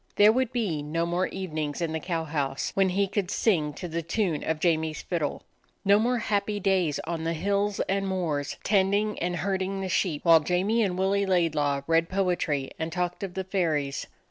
There would be no more evenings in the cow house when he could sing to the tune of Jamie's fiddle, no more happy days on the hills and moors tending and herd ing the sheep, while Jamie and Willie Laidlaw read poetry and talked of the fairies.